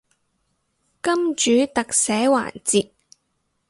金主特寫環節